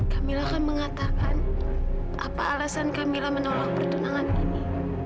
kamila akan mengatakan apa alasan kamila menolak pertunangan ini